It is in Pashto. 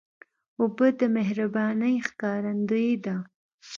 اوبه د مهربانۍ ښکارندویي ده.